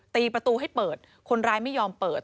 ตีประตูให้เปิดคนร้ายไม่ยอมเปิด